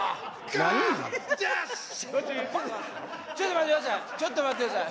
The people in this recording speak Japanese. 今のちょっと待ってください